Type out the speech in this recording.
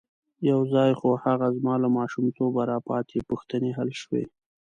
یو ځای خو هغه زما له ماشومتوبه را پاتې پوښتنې حل شوې.